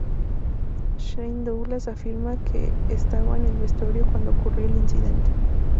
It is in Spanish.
Shane Douglas afirma que estaba en el vestuario cuando ocurrió el incidente.